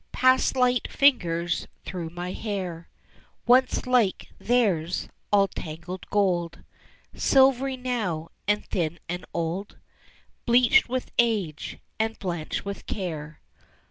Pass light fingers through my hair, Once like their's all tangled gold, Silvery now and thin and old, Bleached with age and blanched with care.